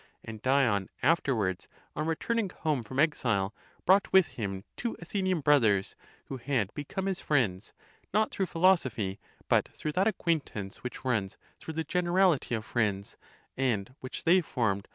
And Dion afterwards, on returning home from exile, brought with him two Athenian brothers, who had become his friends, not through philosophy, but through that acquaintance, which runs through ®the generality of friends,® and which they formed —!